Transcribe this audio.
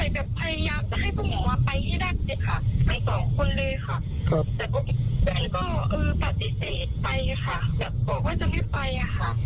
ก็ปฏิเสธไปค่ะแต่บอกว่าจะไม่ไปค่ะ